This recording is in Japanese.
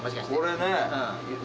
これね。